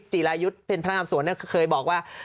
จิรายุทธ์เป็นพนักงานสวนเคยบอกว่า